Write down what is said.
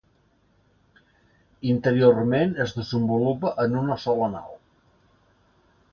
Interiorment es desenvolupa en una sola nau.